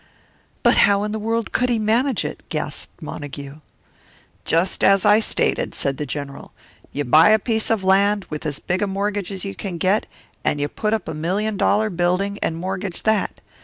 "But how in the world could he manage it?" gasped Montague. "Just as I stated," said the General. "You buy a piece of land, with as big a mortgage as you can get, and you put up a million dollar building and mortgage that.